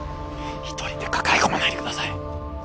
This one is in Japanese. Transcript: １人で抱え込まないでください。